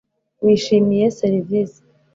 Wishimiye serivisi